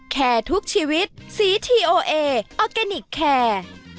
แคร์ทุกชีวิตสีทีโอเอออร์แกนิคแคร์